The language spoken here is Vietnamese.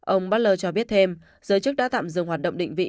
ông bartler cho biết thêm giới chức đã tạm dừng hoạt động định vị